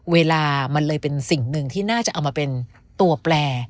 เวลามันเลยเป็นสิ่งหนึ่งที่น่าจะเอามาเป็นตัวแปล